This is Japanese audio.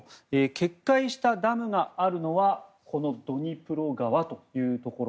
決壊したダムがあるのはこのドニプロ川というところ。